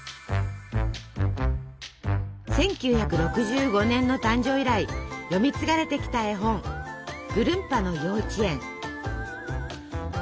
１９６５年の誕生以来読み継がれてきた絵本「ぐるんぱのようちえん」。